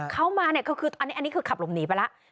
เข้ามาคืออันนี้คือขับลมหนีไปแล้ว